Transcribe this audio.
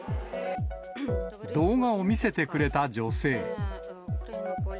動画を見せてくれた女性。